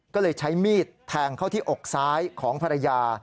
ก็เลยใช้มีดแทงเข้าที่อกซ้ายของภรรยา